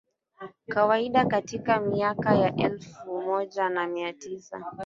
Kawaida katika miaka ya Elfu moja na mia tisa